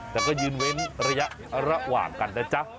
แต่ก็ยืนเว้นระยะระหว่างกันนะจ๊ะ